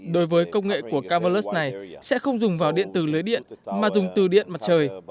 đối với công nghệ của kavalax này sẽ không dùng vào điện từ lưới điện mà dùng từ điện mặt trời